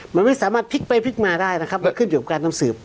มันไม่สามารถพลิกไปพลิกมาได้นะครับมันขึ้นอยู่กับการนำสืบ